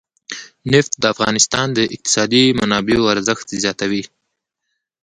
نفت د افغانستان د اقتصادي منابعو ارزښت زیاتوي.